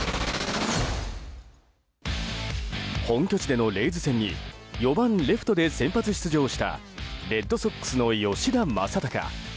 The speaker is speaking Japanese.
本拠地でのレイズ戦に４番レフトで先発出場したレッドソックスの吉田正尚。